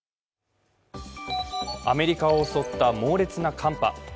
アメリカを襲った猛烈な寒波。